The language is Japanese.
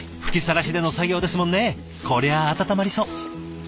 吹きさらしでの作業ですもんねこりゃ温まりそう。